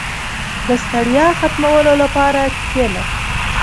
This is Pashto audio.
• د ستړیا ختمولو لپاره کښېنه.